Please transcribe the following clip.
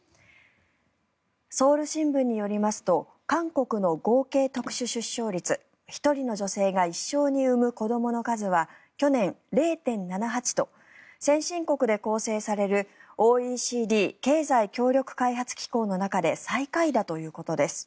ソウル新聞によりますと韓国の合計特殊出生率１人の女性が一生に産む子どもの数は去年、０．７８と先進国で構成されるＯＥＣＤ・経済協力開発機構の中で最下位だということです。